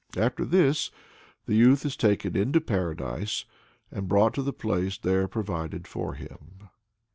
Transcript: After this the youth is taken into Paradise, and brought to the place there provided for him.